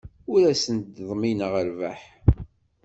Ur asent-ḍmineɣ rrbeḥ.